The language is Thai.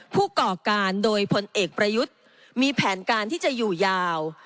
ก่อการโดยพลเอกประยุทธ์มีแผนการที่จะอยู่ยาว